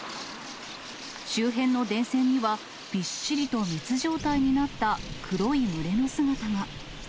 周辺の電線には、びっしりと密状態になった黒い群れの姿が。